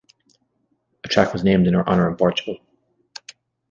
A track was named in her honour in Portugal.